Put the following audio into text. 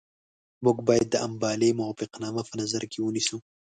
موږ باید د امبالې موافقتنامه په نظر کې ونیسو.